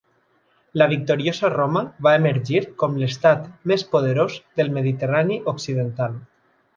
La victoriosa Roma va emergir com l'estat més poderós del Mediterrani occidental.